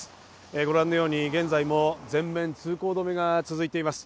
ご覧のように現在も全面通行止めが続いています。